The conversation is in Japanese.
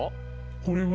これは。